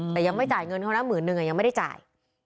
แต่ยังไม่จ่ายเงินเขานะหมื่นนึงยังไม่ได้จ่าย